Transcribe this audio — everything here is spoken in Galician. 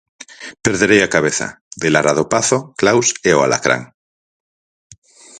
Perderei a cabeza, de Lara Dopazo, Claus e o alacrán.